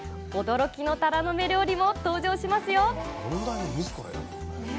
驚きのタラの芽料理も登場しますよ！